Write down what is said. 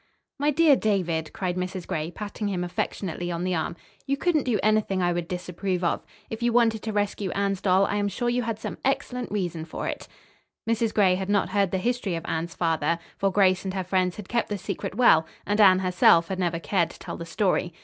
"My dear David," cried Mrs. Gray, patting him affectionately on the arm, "you couldn't do anything I would disapprove of. If you wanted to rescue Anne's doll I am sure you had some excellent reason for it." Mrs. Gray had not heard the history of Anne's father, for Grace and her friends had kept the secret well, and Anne, herself, had never cared to tell the story.